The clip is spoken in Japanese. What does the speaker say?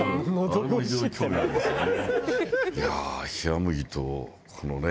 あれも非常に興味あるんですよね。